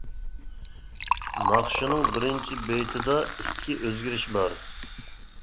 ناخشىنىڭ بىرىنچى بېيىتىدا ئىككى ئۆزگىرىش بار.